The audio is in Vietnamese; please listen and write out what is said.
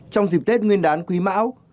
trong dịp tết nguyên đán quý mão